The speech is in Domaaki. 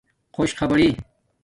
خݸش خبرݵ